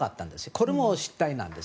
これも失態なんです。